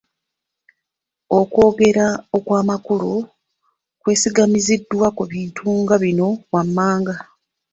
Okwogera okw'amakulu kwesigamiziddwa ku bintu nga bino wammanga: